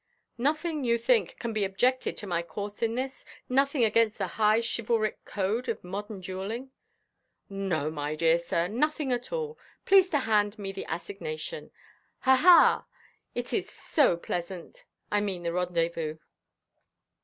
"Nothing, you think, can be objected to my course in this?—nothing against the high chivalric code of modern duelling?" "No, my dear sir, nothing at all. Please to hand me the assignation; ha, ha, it is so pleasant—I mean the rendezvous."